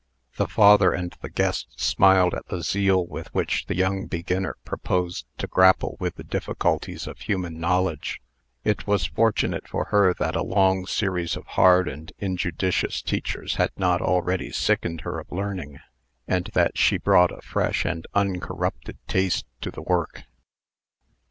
The father and the guest smiled at the zeal with which this young beginner proposed to grapple with the difficulties of human knowledge. It was fortunate for her that a long series of hard and injudicious teachers had not already sickened her of learning, and that she brought a fresh and uncorrupted taste to the work.